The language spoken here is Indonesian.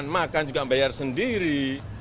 makan juga membayar sendiri